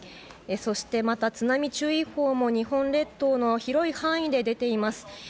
そしてまた津波注意報も日本列島の広い範囲で出ています。